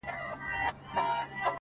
• ککرۍ يې دي رېبلي دې بدرنگو ککریو،